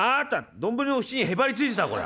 丼の縁にへばりついてたわこら。